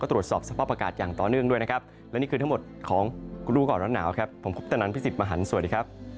โปรดติดตามตอนต่อไป